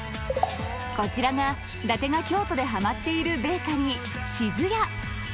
こちらが伊達が京都でハマっているベーカリー「志津屋」。